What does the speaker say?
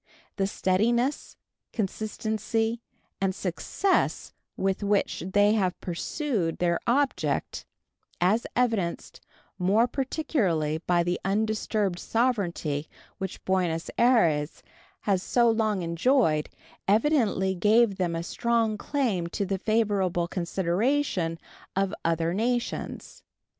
The steadiness, consistency, and success with which they have pursued their object, as evinced more particularly by the undisturbed sovereignty which Buenos Ayres has so long enjoyed, evidently give them a strong claim to the favorable consideration of other nations.